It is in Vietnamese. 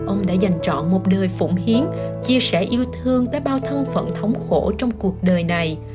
ông đã dành trọn một đời phủng hiến chia sẻ yêu thương tới bao thân phận thống khổ trong cuộc đời này